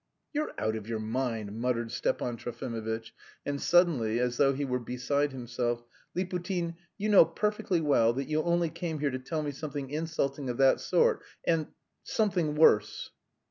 "You're out of your mind!" muttered Stepan Trofimovitch, and suddenly, as though he were beside himself: "Liputin, you know perfectly well that you only came here to tell me something insulting of that sort and... something worse!"